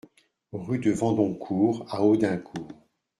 Rue de Vandoncourt à Audincourt